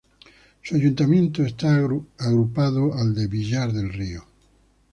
Su ayuntamiento está agrupado al de Villar del Río.